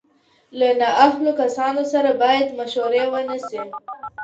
له نااهلو کسانو سره بايد مشورې ونه سي.